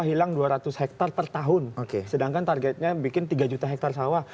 ya sekarang kita bisa mencari dua ratus hektar per tahun sedangkan targetnya bikin tiga juta hektar sawah